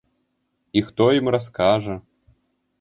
І хто ім раскажа?